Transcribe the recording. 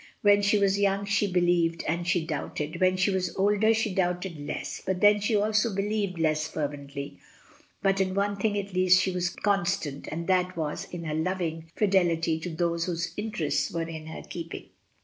When she was young she believed and she doubted; when she was older she doubted less, but then she also believed less fervently; but in one thing at least she was constant, and that was in her loving fidelity to those whose interests were in her keeping.